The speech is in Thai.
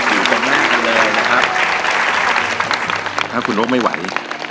อยู่ตรงหน้ากันเลยนะครับถ้าคุณนกไม่ไหว